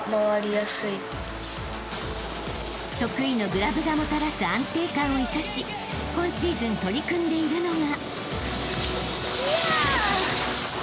［得意のグラブがもたらす安定感を生かし今シーズン取り組んでいるのが］